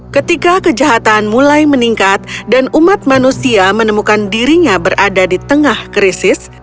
ketika kejahatan mulai meningkat dan umat manusia menemukan dirinya berada di tengah krisis